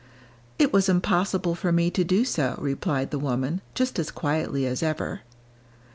"It was impossible for me to do so," replied the woman, just as quietly as ever.